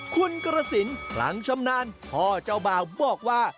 คุณกระสินคลังชำนาญพ่อเจ้าบ่าวบอกว่า